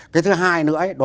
cái thứ hai nữa ấy